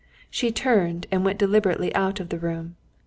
She turned, and went deliberately out of the room.